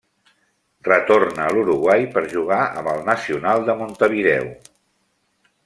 Retorna a l'Uruguai per jugar amb el Nacional de Montevideo.